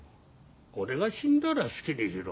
俺が死んだら好きにしろ。